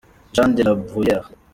” Jean de La Bruyère .